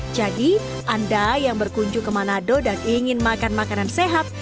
jadi anda yang berkunjung ke manado dan ingin makan makanan sehat